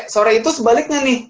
sore itu sebaliknya nih